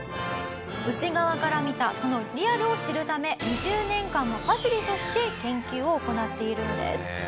内側から見たそのリアルを知るため２０年間もパシリとして研究を行っているんです。